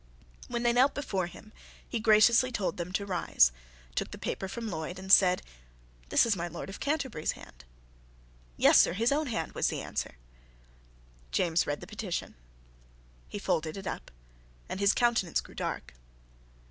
When they knelt before him, he graciously told them to rise, took the paper from Lloyd, and said, "This is my Lord of Canterbury's hand." "Yes, sir, his own hand," was the answer. James read the petition; he folded it up; and his countenance grew dark.